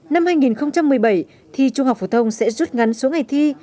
năm hai nghìn một mươi bảy thi trung học phổ thông sẽ rút ngắn số ngày thi